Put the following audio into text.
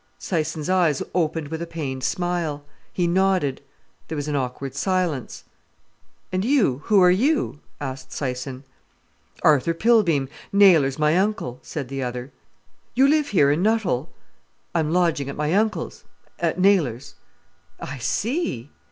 Syson's eyes opened with a pained smile. He nodded. There was an awkward silence. "And you—who are you?" asked Syson. "Arthur Pilbeam—Naylor's my uncle," said the other. "You live here in Nuttall?" "I'm lodgin' at my uncle's—at Naylor's." "I see!"